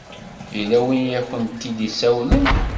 Yella win i akent-id-isawlen.